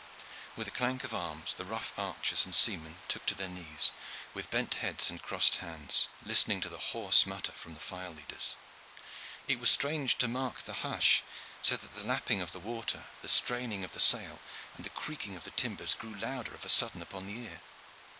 With a clank of arms, the rough archers and seamen took to their knees, with bent heads and crossed hands, listening to the hoarse mutter from the file leaders. It was strange to mark the hush; so that the lapping of the water, the straining of the sail, and the creaking of the timbers grew louder of a sudden upon the ear.